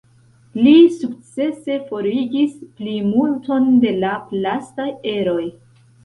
Li sukcese forigis plimulton de la plastaj eroj.